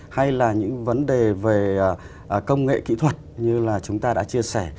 hay là những vấn đề về công nghệ kỹ thuật như là chúng ta đã chia sẻ